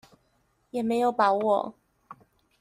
也沒有把握